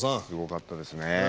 すごかったですね